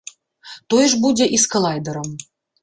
Тое ж будзе і з калайдарам.